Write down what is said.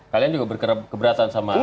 kalian juga berkeberatan sama